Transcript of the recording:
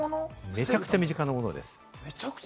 めちゃくちゃ身近なものです。